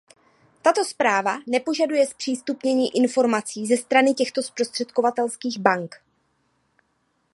Tato zpráva nepožaduje zpřístupnění informací ze strany těchto zprostředkovatelských bank.